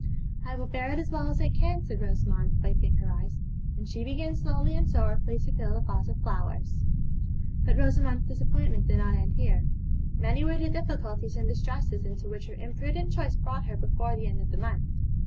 'I will bear it as well as I can,' said Rosamond, wiping her eyes; and she began slowly and sorrowfully to fill the vase with flowers. But Rosamond's disappointment did not end here. Many were the difficulties and distresses into which her imprudent choice brought her before the end of the month.